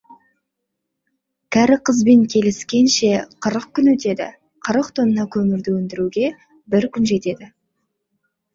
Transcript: Кәрі қызбен келіскенше, қырық күн өтеді, қырық тонна көмірді өндіруге бір күн жетеді.